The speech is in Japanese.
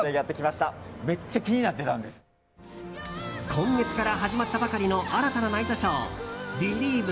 今月から始まったばかりの新たなナイトショー「ビリーヴ！